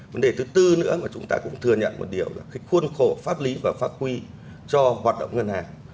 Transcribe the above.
vấn đề thứ tư nữa mà chúng ta cũng thừa nhận một điều là cái khuôn khổ pháp lý và pháp quy cho hoạt động ngân hàng